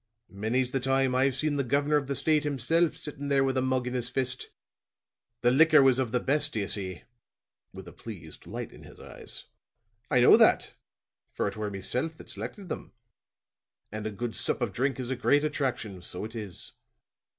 "Many's the time I've seen the governor of the state himself, sitting there with a mug in his fist. The liquors was of the best, do you see," with a pleased light in his eyes. "I know that, for it were meself that selected them. And a good sup of drink is a great attraction, so it is."